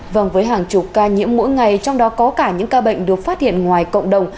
vâng với hàng chục ca nhiễm mỗi ngày trong đó có cả những ca bệnh được phát hiện ngoài cộng đồng